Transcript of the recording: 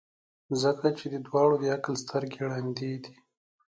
ځکه چي د دواړو د عقل سترګي ړندې دي.